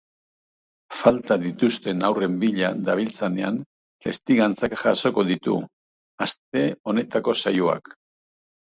Falta dituzten haurren bila dabiltzanen testigantzak jasoko ditu aste honetako saioak.